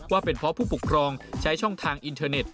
ว่าเป็นเพราะผู้ปกครองใช้ช่องทางอินเทอร์เน็ต